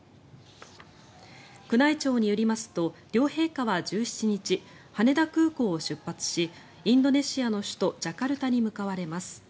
宮内庁によりますと両陛下は１７日羽田空港を出発しインドネシアの首都ジャカルタに向かわれます。